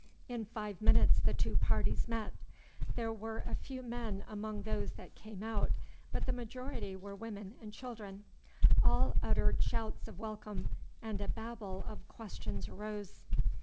In five minutes the two parties met. There were a few men among those that came out, but the majority were women and children. All uttered shouts of welcome, and a babel of questions arose.